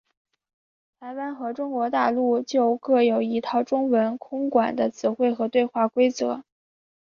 台湾和中国大陆就都各有一套中文空管的词汇和对话规则。